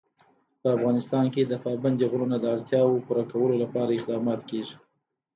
په افغانستان کې د پابندی غرونه د اړتیاوو پوره کولو لپاره اقدامات کېږي.